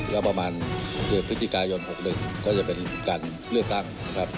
แล้วประมาณเดือนพฤศจิกายน๖๑ก็จะเป็นการเลือกตั้งนะครับ